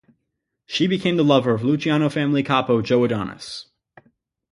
She became the lover of Luciano family capo Joe Adonis.